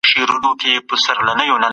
ټولنيز علوم د انسانانو ترمنځ اړيکي جوړوي.